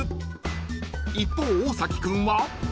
［一方大崎君は］